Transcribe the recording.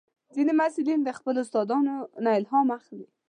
ځینې محصلین د خپلو استادانو نه الهام اخلي.